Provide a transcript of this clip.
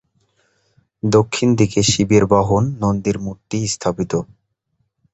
দক্ষিণ দিকে শিবের বাহন নন্দীর মূর্তি স্থাপিত।